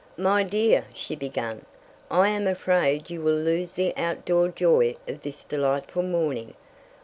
"My dear," she began, "I am afraid you will lose the out door joy of this delightful morning.